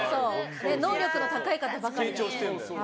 能力の高い方ばかりだから。